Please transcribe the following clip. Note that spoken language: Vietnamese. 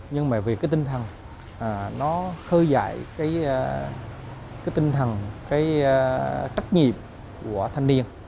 nhưng mà vì cái tinh thần nó khơi dậy cái tinh thần cái trách nhiệm của thanh niên